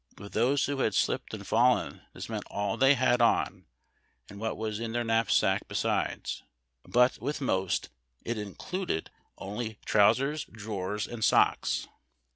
With those who had slijiped and fallen this meant all they had on and what was in their knapsack besides, but with most it included only trousers, drawers, and socks.